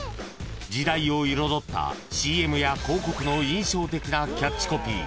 ［時代を彩ったＣＭや広告の印象的なキャッチコピー］